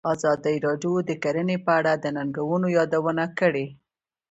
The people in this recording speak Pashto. ازادي راډیو د کرهنه په اړه د ننګونو یادونه کړې.